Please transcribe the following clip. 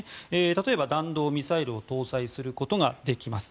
例えば弾道ミサイルを搭載することができます